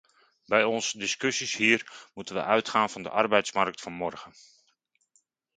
Bij onze discussies hier moeten we uitgaan van de arbeidsmarkt van morgen.